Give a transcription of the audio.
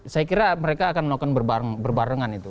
saya kira mereka akan melakukan berbarengan itu